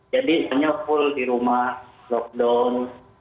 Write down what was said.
jadi hanya full di rumah lockdown